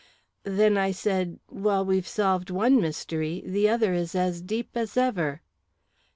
"Then," I said, "while we've solved one mystery, the other is as deep as ever."